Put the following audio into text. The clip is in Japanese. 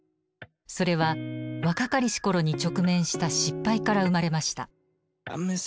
それは若かりし頃に直面した失敗から生まれました。